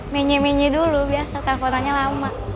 menye menye dulu biasa telponannya lama